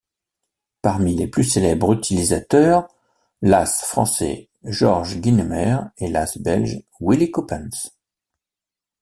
Parmi les plus célèbres utilisateurs, l'As français Georges Guynemer et l'As belge Willy Coppens.